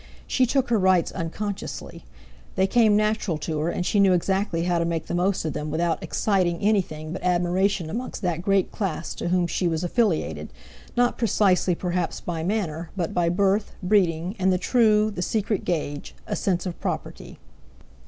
She took her rights unconsciously, they came natural to her, and she knew exactly how to make the most of them without exciting anything but admiration amongst that great class to whom she was affiliated, not precisely perhaps by manner, but by birth, breeding, and the true, the secret gauge, a sense of property.